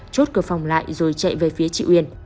chốt cửa phòng lại rồi chạy về phía chị uyên